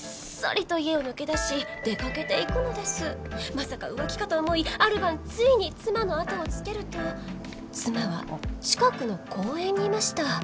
まさか浮気かと思いある晩ついに妻の後をつけると妻は近くの公園にいました。